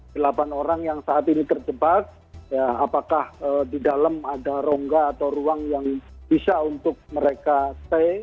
delapan orang yang saat ini terjebak apakah di dalam ada rongga atau ruang yang bisa untuk mereka stay